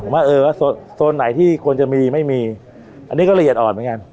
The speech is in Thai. ว่าเออโซนไหนที่ควรจะมีไม่มีอันนี้ก็ละเอียดอ่อนเหมือนกัน